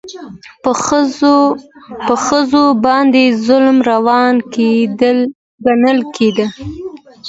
په ښځو باندې ظلم روان ګڼل کېده.